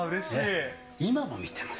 今も見てます。